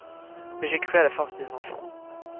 Mais j'ai cru à la force des enfants.